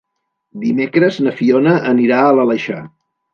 Dimecres na Fiona anirà a l'Aleixar.